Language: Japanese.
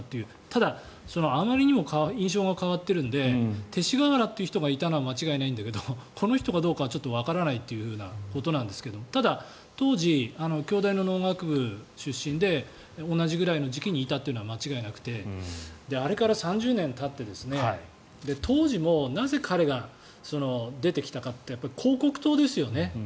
ただ、あまりにも印象が変わっているので勅使河原という人がいたのは間違いないんだけどこの人かどうかはわからないということなんですがただ当時、京大の農学部出身で同じぐらいの時期にいたというのは間違いなくてあれから３０年たって当時も、なぜ彼が出てきたかって広告塔ですよね。